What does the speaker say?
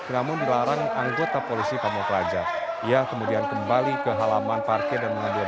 ke namun dilarang anggota polisi pemotraja ia kemudian kembali ke halaman parkir dan mengambil